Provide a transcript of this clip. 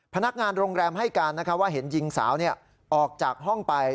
พนักงานโรงแรมให้การว่าเห็นหญิงสาวออกจากห้องไป